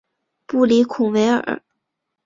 布里孔维尔。